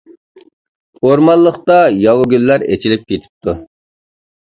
ئورمانلىقتا ياۋا گۈللەر ئېچىلىپ كېتىپتۇ.